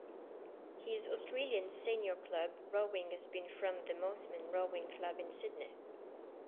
His Australian senior club rowing has been from the Mosman Rowing Club in Sydney.